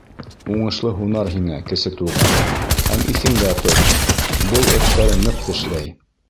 Уңышлы һунар һиңә, Кесе Туған, һәм иҫендә тот: дол эттәре ныҡ тешләй.